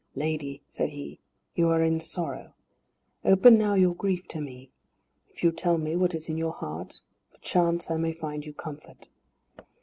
"Lady," said he, "you are in sorrow. Open now your grief to me. If you tell me what is in your heart perchance I may find you comfort."